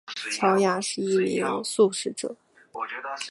乔雅是一名素食者。